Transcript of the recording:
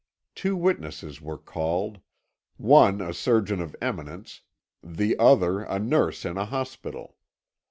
Two witnesses were called, one a surgeon of eminence, the other a nurse in an hospital.